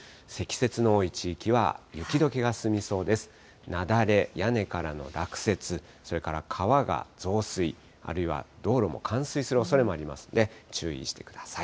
雪崩、屋根からの落雪、それから川が増水、あるいは道路も冠水するおそれがありますので注意してください。